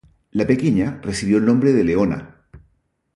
La pequeña recibió el nombre de Leona.